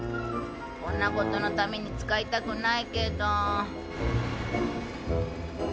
こんなことのために使いたくないけど。